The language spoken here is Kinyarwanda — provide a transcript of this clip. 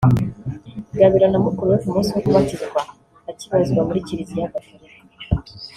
Gabiro na mukuru we ku munsi wo kubatizwa(akibarizwa muri Kiliziya Gaturika)